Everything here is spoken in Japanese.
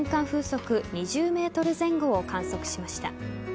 風速２０メートル前後を観測しました。